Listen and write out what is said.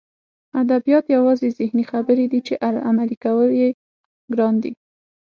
ادبیات یوازې ذهني خبرې دي چې عملي کول یې ګران دي